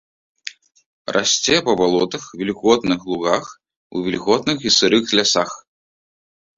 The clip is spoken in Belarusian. Расце па балотах, вільготных лугах і ў вільготных і сырых лясах.